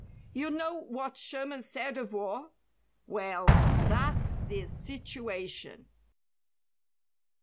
"You know what Sherman said of war? Well, that's the situation."